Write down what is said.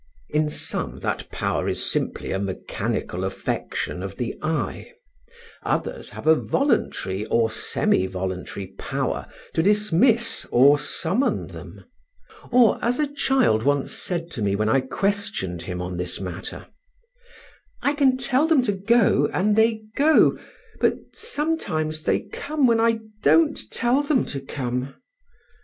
In some that power is simply a mechanical affection of the eye; others have a voluntary or semi voluntary power to dismiss or to summon them; or, as a child once said to me when I questioned him on this matter, "I can tell them to go, and they go ——, but sometimes they come when I don't tell them to come."